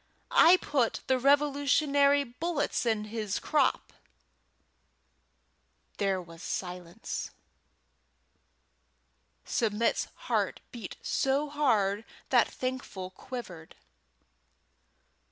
"I put the Revolutionary bullets in his crop." There was silence. Submit's heart beat so hard that Thankful quivered.